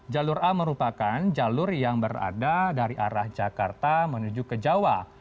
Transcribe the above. jalur a merupakan jalur yang berada dari arah jakarta menuju ke jawa